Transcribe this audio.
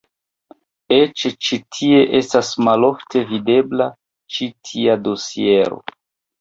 Eĉ ĉi tie estas malofte videbla ĉi tia dosiero.